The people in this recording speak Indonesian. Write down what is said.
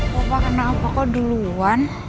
papa kenapa kau duluan